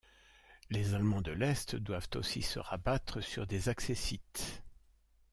Les Allemands de l'Est doivent aussi se rabattre sur des accessits.